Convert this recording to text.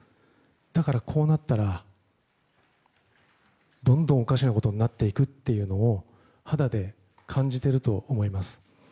だから、こうなったらどんどんおかしなことになっていくっていうのを肌で感じていると思います。